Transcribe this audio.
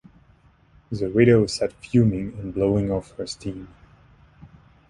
The widow sat fuming and blowing off her steam.